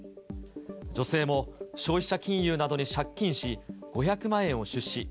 女性も消費者金融などで借金し、５００万円を出資。